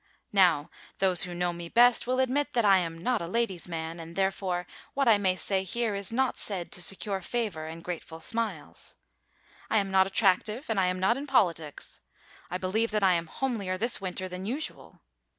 Now those who know me best will admit that I am not a ladies' man, and, therefore, what I may say here is not said to secure favor and grateful smiles. I am not attractive and I am not in politics. I believe that I am homelier this winter than usual.